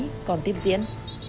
quản lý còn tiếp diễn